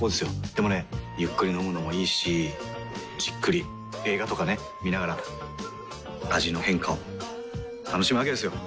でもねゆっくり飲むのもいいしじっくり映画とかね観ながら味の変化を楽しむわけですよ。